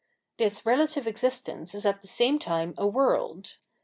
This relative existence is at the same time a world.